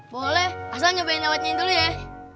boleh asal nyobain lewatnyain dulu ya